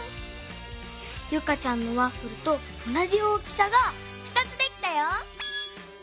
ユカちゃんのワッフルとおなじ大きさが２つできたよ！